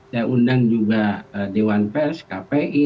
saya undang juga dewan pers kpi